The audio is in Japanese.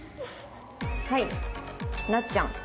はいなっちゃん。